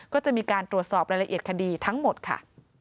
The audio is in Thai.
ก็จะมีการตรวจสอบรายละเอียดคดีทั้งหมดค่ะ